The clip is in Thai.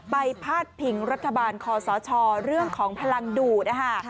ไปพาดผิงรัฐบาลคศเรื่องของพลังดูด